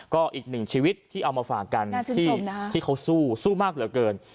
ก็อีกหนึ่งชีวิตที่เอามาฝากกันที่เขาสู้สู้มากเหลือเกิน